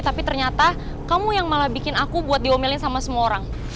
tapi ternyata kamu yang malah bikin aku buat diomelin sama semua orang